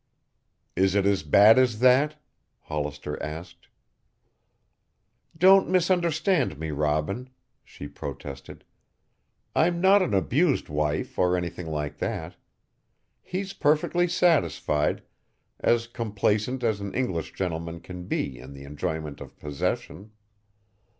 "Is it as bad as that?" Hollister asked. "Don't misunderstand me, Robin," she protested. "I'm not an abused wife or anything like that. He's perfectly satisfied, as complacent as an English gentleman can be in the enjoyment of possession.